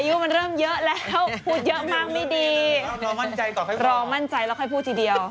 ตัวหนังสือขึ้นมาแล้วเราก็ต้องลาแล้วสิ